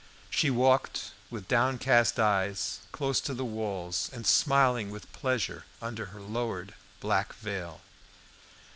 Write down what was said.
She walked with downcast eyes, close to the walls, and smiling with pleasure under her lowered black veil.